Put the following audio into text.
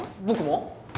僕も？